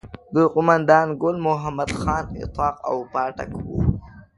د قوماندان ګل محمد خان اطاق او پاټک وو.